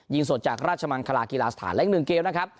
สดจากราชมังคลากีฬาสถานและอีกหนึ่งเกมนะครับ